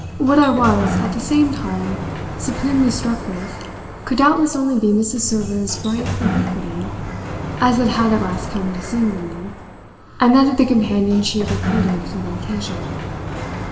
What I was at the same time supremely struck with could doubtless only be Mrs. Server's bright ubiquity, as it had at last come to seem to me, and that of the companions she had recruited for the occasion.